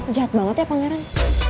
jahat banget ya pangeran